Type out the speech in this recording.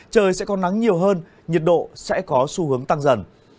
trời sẽ có nắng nhiều hơn nhiệt độ sẽ có xu hướng tăng dần